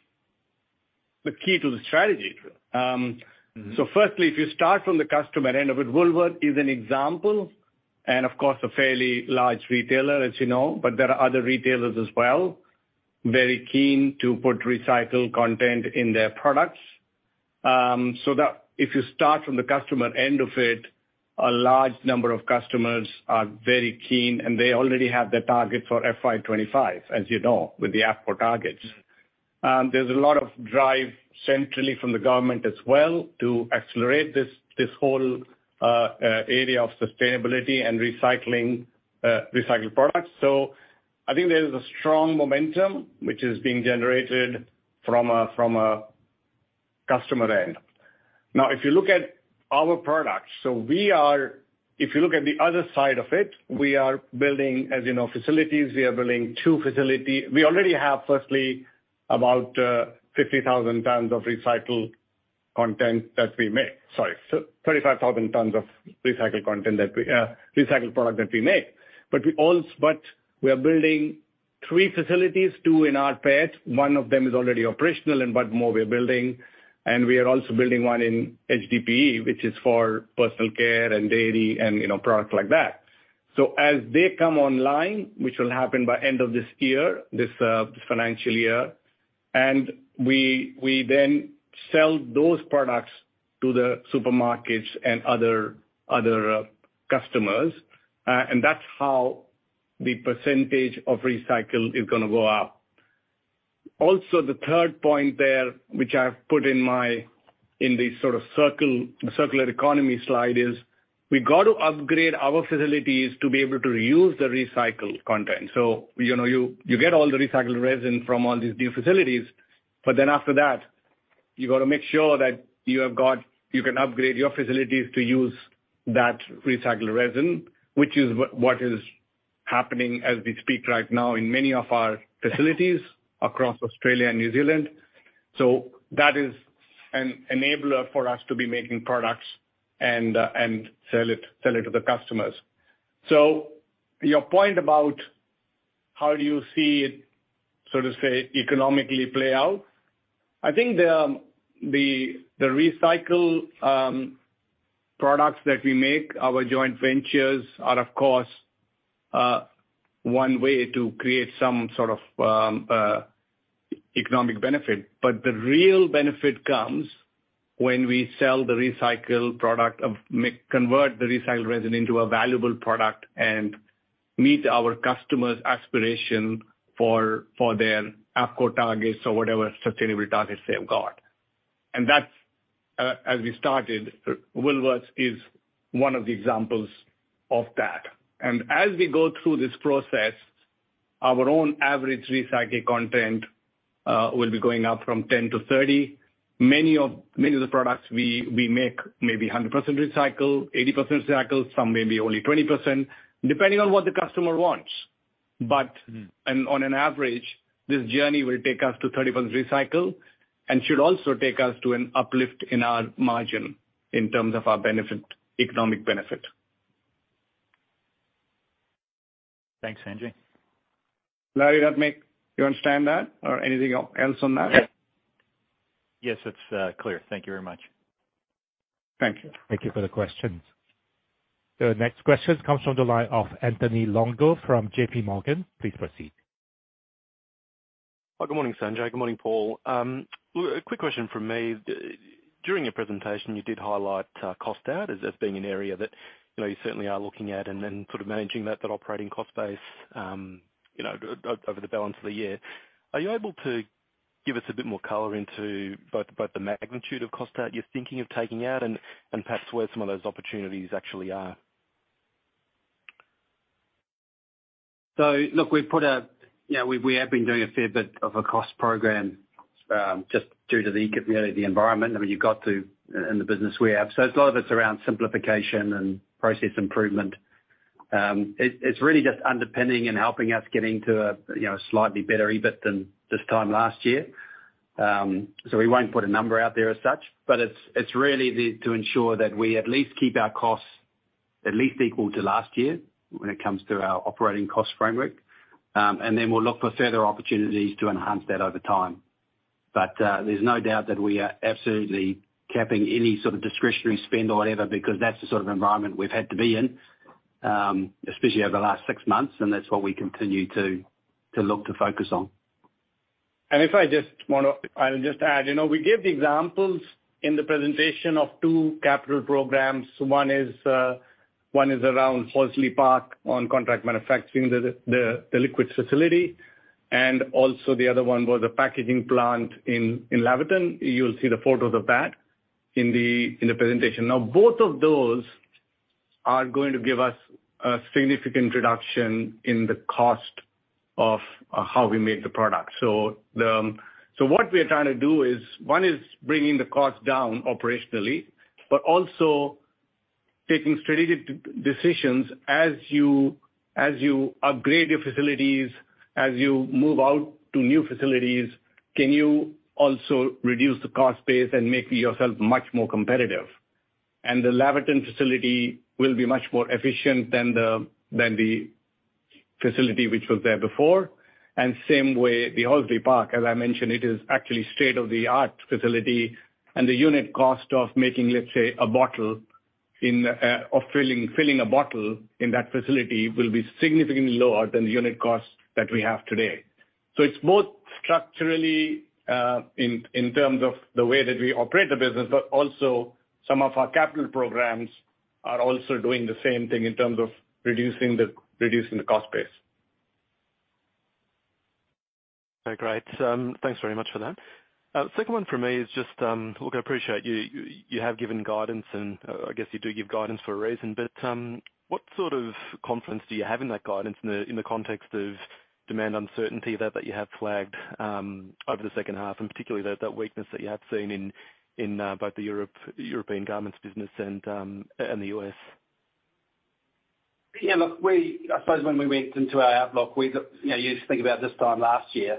the key to the strategy. Mm-hmm. Firstly, if you start from the customer end of it, Woolworths is an example, and of course, a fairly large retailer, as you know, but there are other retailers as well, very keen to put recycled content in their products. That if you start from the customer end of it, a large number of customers are very keen, and they already have their target for FY 25, as you know, with the APCO targets. There's a lot of drive centrally from the government as well to accelerate this whole area of sustainability and recycling, recycled products. I think there is a strong momentum which is being generated from a customer end. Now if you look at our products, If you look at the other side of it, we are building, as you know, facilities. We are building two facility. We already have firstly about, 50,000 tons of recycled content that we make. Sorry, 35,000 tons of recycled product that we make. We are building three facilities, two in rPET. One of them is already operational, more we're building, and we are also building one in HDPE, which is for personal care and dairy and, you know, products like that. As they come online, which will happen by end of this year, this financial year, and we then sell those products to the supermarkets and other customers, and that's how the % of recycle is gonna go up. The third point there, which I've put in the sort of circle, circular economy slide, is we got to upgrade our facilities to be able to use the recycled content. You know, you get all the recycled resin from all these new facilities, but then after that, you gotta make sure that you can upgrade your facilities to use that recycled resin, which is what is happening as we speak right now in many of our facilities across Australia and New Zealand. That is an enabler for us to be making products and sell it to the customers. Your point about how do you see it, so to say, economically play out, I think the recycled products that we make, our joint ventures are, of course, one way to create some sort of economic benefit. The real benefit comes when we sell the recycled product of convert the recycled resin into a valuable product and meet our customers' aspiration for their APCO targets or whatever sustainable targets they've got. That's as we started, Woolworths is one of the examples of that. As we go through this process, our own average recycled content will be going up from 10 to 30. Many of the products we make may be 100% recycled, 80% recycled, some may be only 20%, depending on what the customer wants. Mm. On an average, this journey will take us to 30% recycle and should also take us to an uplift in our margin in terms of our benefit, economic benefit. Thanks, Sanjay. Larry, you understand that or anything else on that? Yes, it's clear. Thank you very much. Thank you. Thank you for the questions. The next question comes from the line of Anthony Longo from JP Morgan. Please proceed. Hi. Good morning, Sanjay. Good morning, Paul. A quick question from me. During your presentation, you did highlight cost out as being an area that, you know, you certainly are looking at and then sort of managing that operating cost base, you know, over the balance of the year. Are you able to give us a bit more color into both the magnitude of cost out you're thinking of taking out and perhaps where some of those opportunities actually are? Look, we've put a, you know, we have been doing a fair bit of a cost program, just due to the, you know, the environment. I mean, you've got to in the business we have. A lot of it's around simplification and process improvement. It's really just underpinning and helping us getting to a, you know, a slightly better EBIT than this time last year. We won't put a number out there as such, but it's really the, to ensure that we at least keep our costs at least equal to last year when it comes to our operating cost framework. We'll look for further opportunities to enhance that over time. There's no doubt that we are absolutely capping any sort of discretionary spend or whatever, because that's the sort of environment we've had to be in, especially over the last six months, and that's what we continue to look to focus on. If I just add, you know, we gave the examples in the presentation of two capital programs. One is around Horsley Park on contract manufacturing the liquid facility, and also the other one was a packaging plant in Laverton. You'll see the photos of that in the presentation. Both of those are going to give us a significant reduction in the cost of how we make the product. What we are trying to do is, one is bringing the cost down operationally, but also taking strategic decisions as you upgrade your facilities, as you move out to new facilities, can you also reduce the cost base and make yourself much more competitive? The Laverton facility will be much more efficient than the facility which was there before. Same way, the Horsley Park, as I mentioned, it is actually state-of-the-art facility. The unit cost of making, let's say, a bottle in, or filling a bottle in that facility will be significantly lower than the unit cost that we have today. It's both structurally, in terms of the way that we operate the business, but also some of our capital programs are also doing the same thing in terms of reducing the cost base. Okay, great. Thanks very much for that. Second one for me is just, look, I appreciate you have given guidance and I guess you do give guidance for a reason, what sort of confidence do you have in that guidance in the context of demand uncertainty that you have flagged over the second half, and particularly that weakness that you have seen in European garments business and the U.S.? Look, I suppose when we went into our outlook, we you know, you think about this time last year,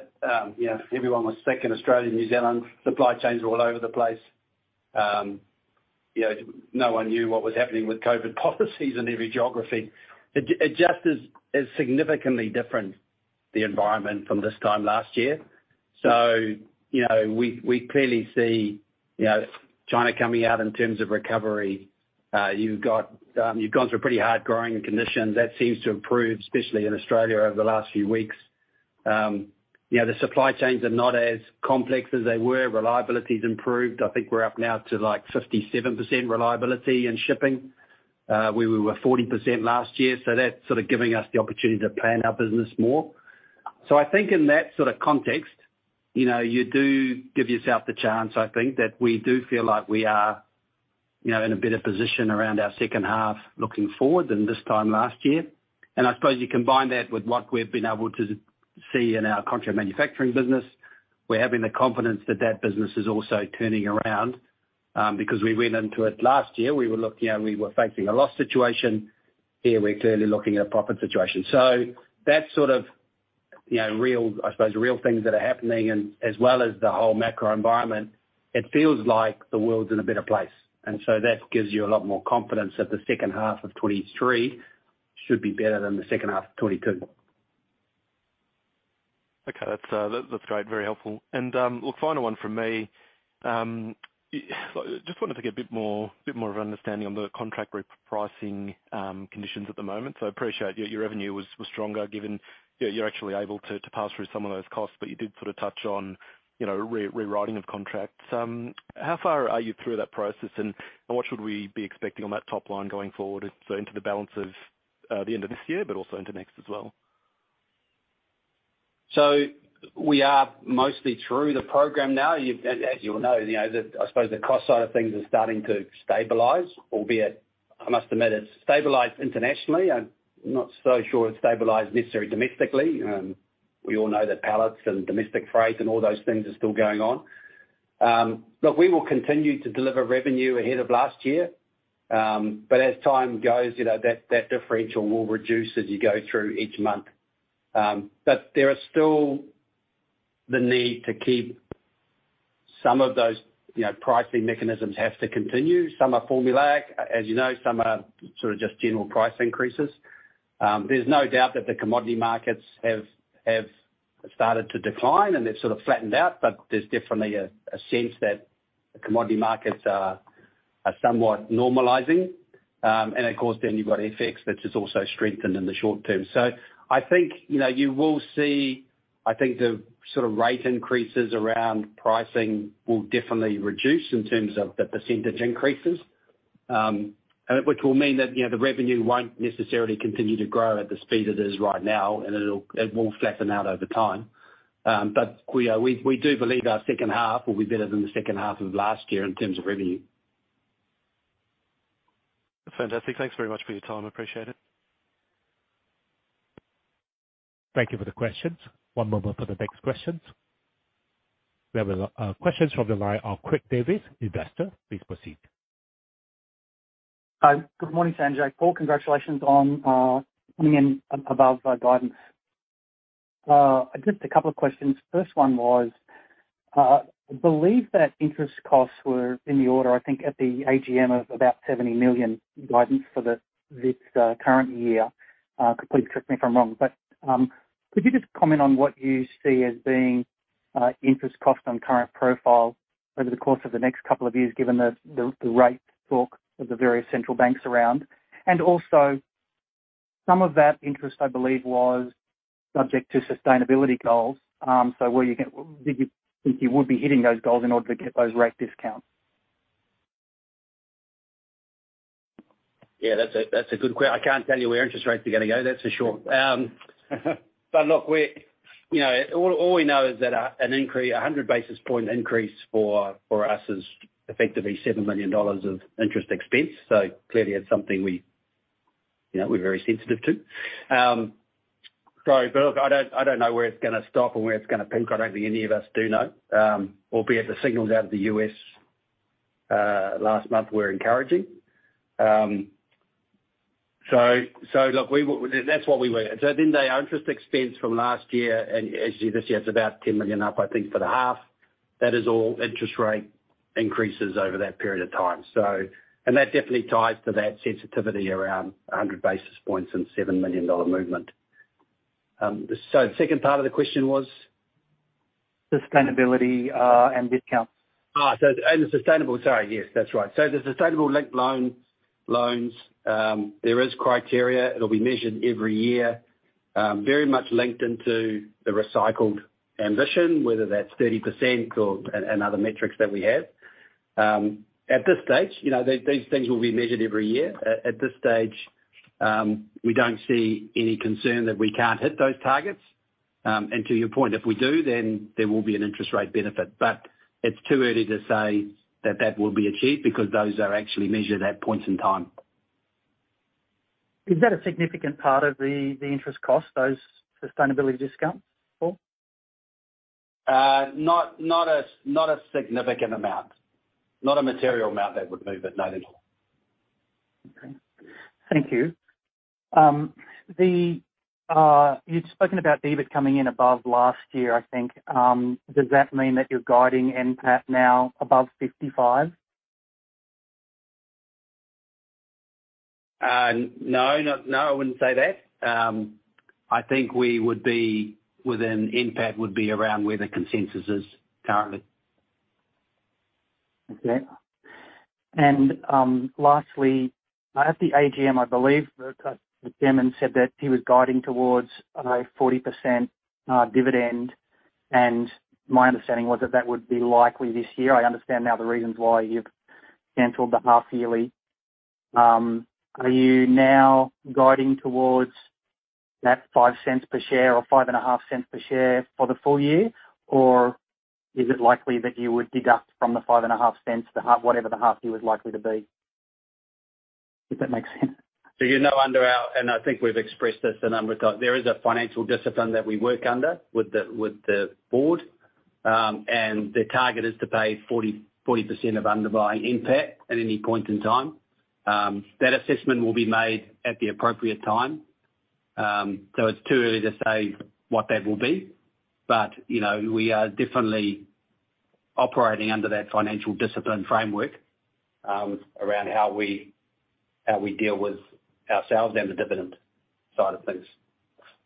you know, everyone was sick in Australia and New Zealand, supply chains were all over the place. You know, no one knew what was happening with COVID policies in every geography. It just is significantly different, the environment from this time last year. You know, we clearly see, you know, China coming out in terms of recovery. You've got, you've gone through pretty hard growing conditions. That seems to improve, especially in Australia over the last few weeks. You know, the supply chains are not as complex as they were. Reliability's improved. I think we're up now to, like, 57% reliability in shipping, where we were 40% last year. That's sort of giving us the opportunity to plan our business more. I think in that sort of context, you know, you do give yourself the chance, I think, that we do feel like we are, you know, in a better position around our second half looking forward than this time last year. I suppose you combine that with what we've been able to see in our contract manufacturing business. We're having the confidence that that business is also turning around because we went into it last year, you know, we were facing a loss situation. Here, we're clearly looking at a profit situation. That's sort of, you know, real, I suppose, real things that are happening and as well as the whole macro environment, it feels like the world's in a better place. That gives you a lot more confidence that the second half of 2023 should be better than the second half of 2022. Okay. That's great. Very helpful. Look, final one from me. Just wanted to get a bit more of an understanding on the contract repricing conditions at the moment. I appreciate your revenue was stronger given, you know, you're actually able to pass through some of those costs, but you did sort of touch on, you know, rewriting of contracts. How far are you through that process, and what should we be expecting on that top line going forward so into the balance of the end of this year, but also into next as well? We are mostly through the program now. As you'll know, you know, I suppose the cost side of things is starting to stabilize, albeit, I must admit, it's stabilized internationally. I'm not so sure it's stabilized necessarily domestically. We all know that pallets and domestic freight and all those things are still going on. Look, we will continue to deliver revenue ahead of last year. As time goes, you know, that differential will reduce as you go through each month. There are still the need to keep some of those, you know, pricing mechanisms have to continue. Some are formulaic, as you know, some are sort of just general price increases. There's no doubt that the commodity markets have started to decline and they've sort of flattened out, but there's definitely a sense that the commodity markets are somewhat normalizing. Of course, then you've got FX, which has also strengthened in the short term. I think, you know, I think the sort of rate increases around pricing will definitely reduce in terms of the percentage increases, and which will mean that, you know, the revenue won't necessarily continue to grow at the speed it is right now, and it will flatten out over time. We do believe our second half will be better than the second half of last year in terms of revenue. Fantastic. Thanks very much for your time. Appreciate it. Thank you for the questions. One moment for the next questions. We have a, questions from the line of Quick Davis, investor. Please proceed. Hi. Good morning, Sanjay, Paul. Congratulations on coming in above our guidance. I just a couple of questions. First one was, I believe that interest costs were in the order, I think, at the AGM of about 70 million guidance for the, this current year. Please correct me if I'm wrong, but could you just comment on what you see as being interest cost on current profile over the course of the next couple of years, given the rate talk of the various central banks around? Also, some of that interest, I believe, was subject to sustainability goals. Were you did you think you would be hitting those goals in order to get those rate discounts? Yeah, that's a good I can't tell you where interest rates are gonna go, that's for sure. Look, you know, all we know is that an increase, a 100 basis point increase for us is effectively 7 million dollars of interest expense. Clearly it's something we, you know, we're very sensitive to. Sorry, look, I don't know where it's gonna stop and where it's gonna peak. I don't think any of us do know. Albeit the signals out of the US last month were encouraging. Look, that's what we were. At end day, our interest expense from last year and as of this year, it's about 10 million up, I think, for the half. That is all interest rate increases over that period of time. That definitely ties to that sensitivity around 100 basis points and 7 million dollar movement. Second part of the question was? Sustainability, and discounts. The sustainability-linked loans, sorry, yes, that's right. The sustainability-linked loans, there is criteria. It'll be measured every year, very much linked into the recycled ambition, whether that's 30% or, and other metrics that we have. At this stage, you know, these things will be measured every year. At this stage, we don't see any concern that we can't hit those targets. To your point, if we do, then there will be an interest rate benefit. It's too early to say that that will be achieved because those are actually measured at points in time. Is that a significant part of the interest cost, those sustainability discounts, Paul? Not, not a, not a significant amount. Not a material amount that would move it, no, Nicole. Okay. Thank you. The, you'd spoken about EBIT coming in above last year, I think. Does that mean that you're guiding NPAT now above 55? no, not, no, I wouldn't say that. I think we would be within, NPAT would be around where the consensus is currently. Okay. Lastly, at the AGM, I believe that the chairman said that he was guiding towards a 40% dividend, and my understanding was that that would be likely this year. I understand now the reasons why you've canceled the half yearly. Are you now guiding towards that 0.05 per share or 0.055 per share for the full year? Is it likely that you would deduct from the 0.055 the half, whatever the half year is likely to be? If that makes sense. I think we've expressed this a number of times, there is a financial discipline that we work under with the board, and the target is to pay 40% of underlying NPAT at any point in time. That assessment will be made at the appropriate time. It's too early to say what that will be. You know, we are definitely operating under that financial discipline framework, around how we deal with ourselves and the dividend side of things.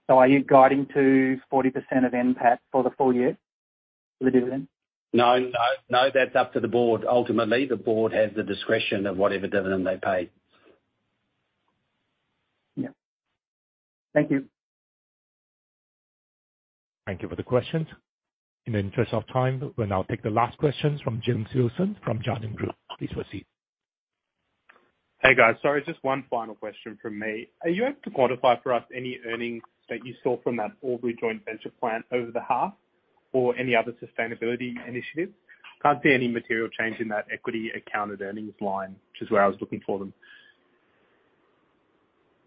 Are you guiding to 40% of NPAT for the full year for the dividend? No, no. That's up to the board. Ultimately, the board has the discretion of whatever dividend they pay. Yeah. Thank you. Thank you for the questions. In the interest of time, we'll now take the last questions from James Wilson from Jarden Group. Please proceed. Hey, guys. Sorry, just one final question from me. Are you able to quantify for us any earnings that you saw from that Albury Joint Venture plan over the half or any other sustainability initiatives? Can't see any material change in that equity accounted earnings line, which is where I was looking for them.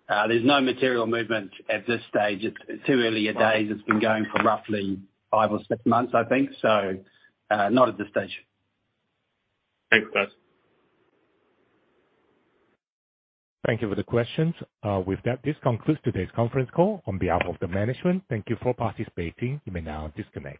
There's no material movement at this stage. It's too early a days. It's been going for roughly 5 or 6 months, I think. Not at this stage. Thanks, guys. Thank you for the questions. With that, this concludes today's conference call. On behalf of the management, thank you for participating. You may now disconnect.